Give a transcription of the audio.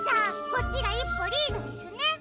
こっちがいっぽリードですね。